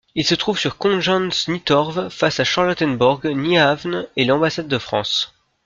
Il se trouve sur Kongens Nytorv, face à Charlottenborg, Nyhavn et l'ambassade de France.